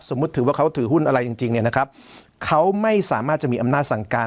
ถือว่าเขาถือหุ้นอะไรจริงเนี่ยนะครับเขาไม่สามารถจะมีอำนาจสั่งการ